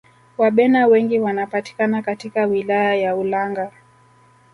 wabena wengi wanapatikana katika wilaya ya ulanga